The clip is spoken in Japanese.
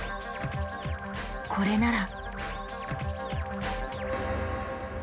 これなら。